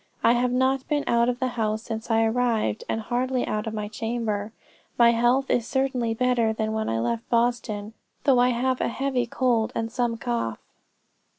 I have not been out of the house since I arrived, and hardly out of my chamber. My health is certainly better than when I left Boston, though I have a heavy cold and some cough.